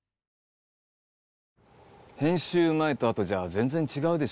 編集前とあとじゃ全然違うでしょ？